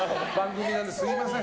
すみません。